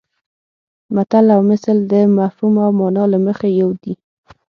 متل او مثل د مفهوم او مانا له مخې یو دي